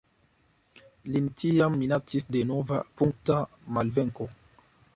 Lin tiam minacis denova punkta malvenko.